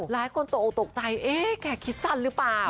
หลายคนตกออกตกใจเอ๊ะแกคิดสั้นหรือเปล่า